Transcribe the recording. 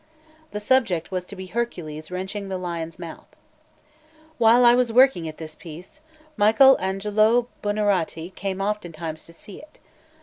The subject was to be Hercules wrenching the lion's mouth. While I was working at this piece, Michel Agnolo Buonarroti came oftentimes to see it.